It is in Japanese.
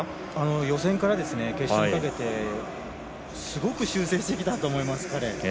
予選から決勝にかけて、すごく修正してきたと思います、彼。